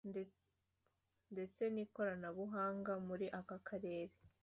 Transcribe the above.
ndetse n’ikoranabuhanga muri aka karere